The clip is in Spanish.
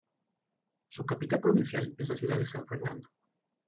Su capital provincial es la ciudad de San Fernando.